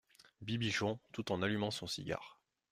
Bibichon, tout en allumant son cigare.